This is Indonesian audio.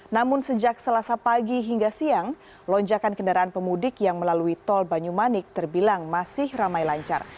namun sejak selasa pagi hingga siang lonjakan kendaraan pemudik yang melalui tol banyumanik terbilang masih ramai lancar